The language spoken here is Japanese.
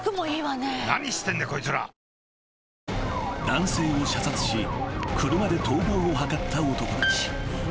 ［男性を射殺し車で逃亡を図った男たち］